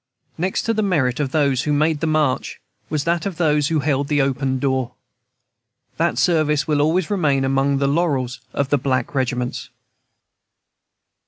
Next to the merit of those who made the march was that of those who held open the door. That service will always remain among the laurels of the black regiments.